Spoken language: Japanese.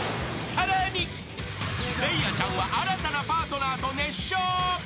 更に、礼愛ちゃんは新たなパートナーと熱唱！